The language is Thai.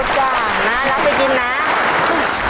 ชอบค่ะ